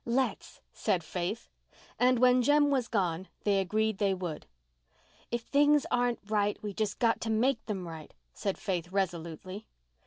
"Let's," said Faith; and when Jem was gone they agreed they would. "If things aren't right we've just got to make them right," said Faith, resolutely.